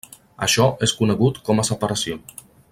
Això és conegut com a separació.